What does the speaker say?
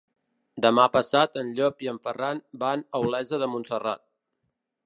Demà passat en Llop i en Ferran van a Olesa de Montserrat.